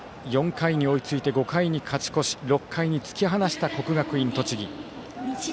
４回に追いついて５回に勝ち越し６回に突き放した国学院栃木。